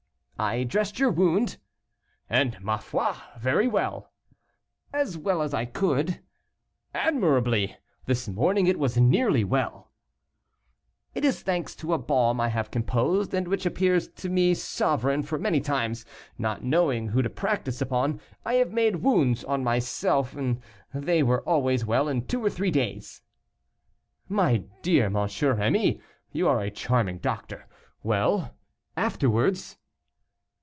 "I dressed your wound." "And, ma foi! very well." "As well as I could." "Admirably! this morning it was nearly well." "It is thanks to a balm I have composed, and which appears to me sovereign, for many times, not knowing who to practise upon, I have made wounds on myself, and they were always well in two or three days." "My dear M. Rémy, you are a charming doctor. Well, afterwards?"